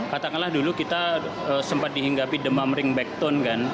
katakanlah dulu kita sempat dihinggapi demam ring backtone